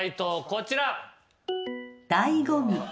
こちら。